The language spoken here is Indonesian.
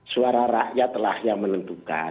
suara rakyatlah yang menentukan